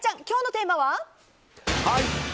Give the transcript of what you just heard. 今日のテーマは？